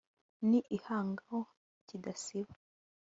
ni igihango kidasiba.